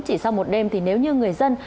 chỉ sau một đêm thì nếu như người dân